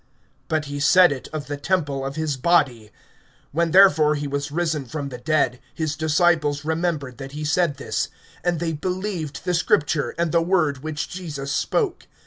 (21)But he said it of the temple of his body. (22)When therefore he was risen from the dead, his disciples remembered that he said this; and they believed the Scripture, and the word which Jesus spoke.